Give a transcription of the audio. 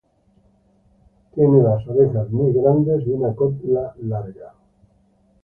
Tiene las orejas muy grandes y una cola larga.